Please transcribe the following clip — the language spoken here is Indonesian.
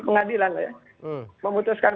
pengadilan ya memutuskan